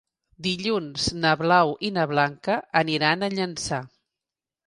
Dilluns na Blau i na Blanca aniran a Llançà.